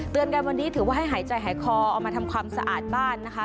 กันวันนี้ถือว่าให้หายใจหายคอเอามาทำความสะอาดบ้านนะคะ